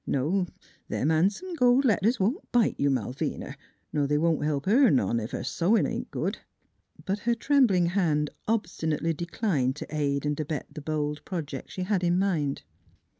... "No; them han'some gold letters won't bite you, Mal vina, ner they won't help her none, ef her sewin' ain't good." But her trembling hand obstinately declined to aid and abet the bold project she had in mind.